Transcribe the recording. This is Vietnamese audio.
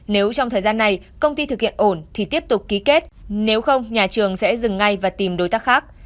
nếu trong thời gian này công ty thực hiện ổn thì tiếp tục ký kết nếu không nhà trường sẽ dừng ngay và tìm đối tác khác